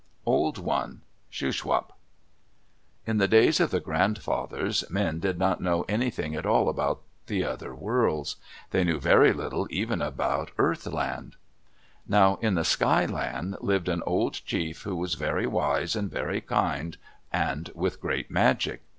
OLD ONE Shuswap In the days of the grandfathers men did not know anything at all about the other worlds. They knew very little even about the Earth Land. Now in the Sky Land lived an old chief who was very wise and very kind, and with great magic.